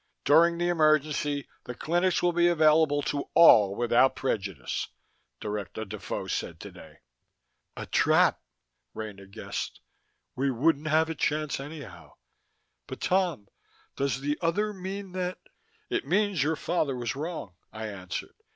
During the emergency, the clinics will be available to all without prejudice, Director Defoe said today." "A trap," Rena guessed. "We wouldn't have a chance, anyhow. But, Tom, does the other mean that " "It means your father was wrong," I answered.